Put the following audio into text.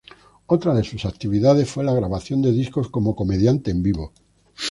Otra de sus actividades fue la grabación de discos como comediante en vivo.